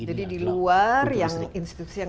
jadi diluar yang institusi yang